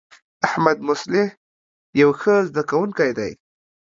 احمدمصلح یو ښه زده کوونکی دی.